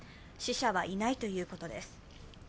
死者はいないということです。